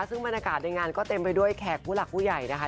ซึ่งบรรยากาศในงานก็เต็มไปด้วยแขกผู้หลักผู้ใหญ่นะคะ